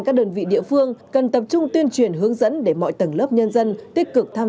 các đơn vị địa phương cần tập trung tuyên truyền hướng dẫn để mọi tầng lớp nhân dân tích cực tham